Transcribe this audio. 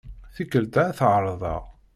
Tikkelt-a ad t-ɛerḍeɣ.